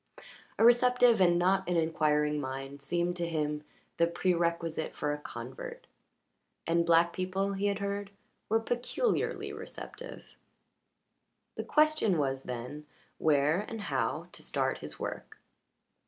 A receptive and not an inquiring mind seemed to him the prerequisite for a convert. And black people, he had heard, were peculiarly receptive. The question was, then, where and how to start his work.